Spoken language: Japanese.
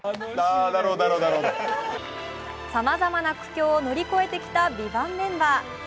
さまざまな苦境を乗り越えてきた「ＶＩＶＡＮＴ」メンバー。